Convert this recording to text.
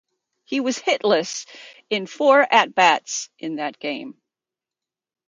He was hitless in four at-bats in that game.